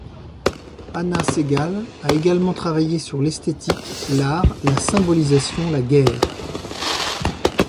Hanna Segal a également travaillé sur l'esthétique, l'art, la symbolisation, la guerre.